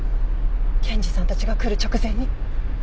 検事さんたちが来る直前に。